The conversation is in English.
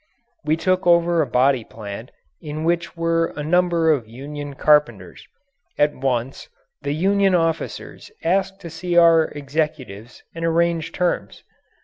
We took over a body plant in which were a number of union carpenters. At once the union officers asked to see our executives and arrange terms.